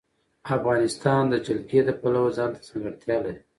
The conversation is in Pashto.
افغانستان د جلګه د پلوه ځانته ځانګړتیا لري.